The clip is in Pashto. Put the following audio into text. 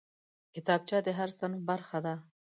کتابچه د هر صنف برخه ده